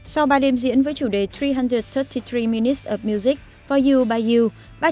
sau ba đêm diễn với chủ đề ba trăm ba mươi ba minutes of music for you by you